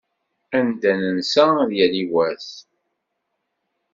Anda nensa, ad yali wass.